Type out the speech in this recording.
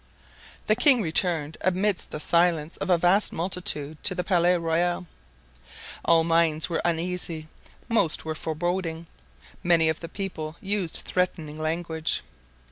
The king returned amidst the silence of a vast multitude to the Palais Royal. All minds were uneasy, most were foreboding, many of the people used threatening language.